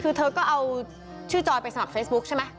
คือเธอก็เอาชื่อจอยไปสมัครเฟซบุ๊คใช่ไหม